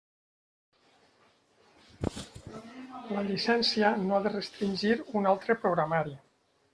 La llicència no ha de restringir un altre programari.